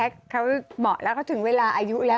เขาเหมาะแล้วเขาถึงเวลาอายุแล้ว